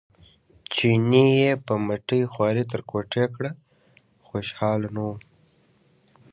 چیني یې په مټې خوارۍ تر کوټې کړ خوشاله نه و.